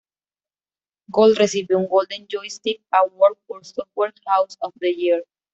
Gold recibió un Golden Joystick Award por "Software House of the Year".